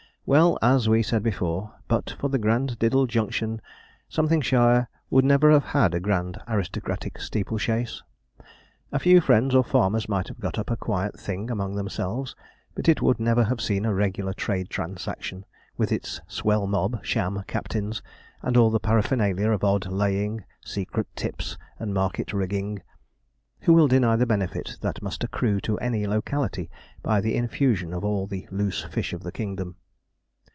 Well, as we said before, but for the Granddiddle Junction, shire would never have had a 'Grand Aristocratic Steeple Chase.' A few friends or farmers might have got up a quiet thing among themselves, but it would never have seen a regular trade transaction, with its swell mob, sham captains, and all the paraphernalia of odd laying, 'secret tips,' and market rigging. Who will deny the benefit that must accrue to any locality by the infusion of all the loose fish of the kingdom?